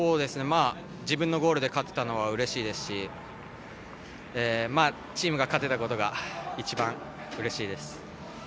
自分のゴールで勝てたのはうれしいですしチームが勝てたことが一番うれしいです。